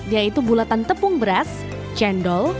yaitu bulatan tepung beras cendol